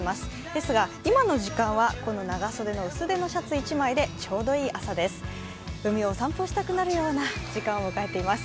ですが今の時間はこの長袖の薄手のシャツ一枚でちょうどいい朝です。